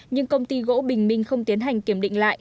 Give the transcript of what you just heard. nhưng công ty gỗ bình minh không tiến hành kiểm định lại